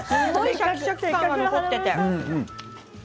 シャキシャキしている。